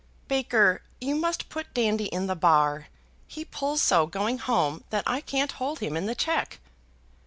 Baker, you must put Dandy in the bar; he pulls so, going home, that I can't hold him in the check."